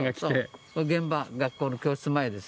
現場学校の教室前です。